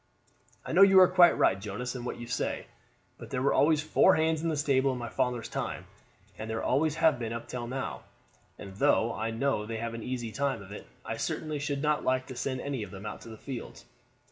"I know you are quite right, Jonas, in what you say. But there were always four hands in the stable in my father's time, and there always have been up to now; and though I know they have an easy time of it, I certainly should not like to send any of them out to the fields.